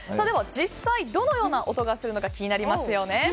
実際にどのような音がするのか気になりますよね。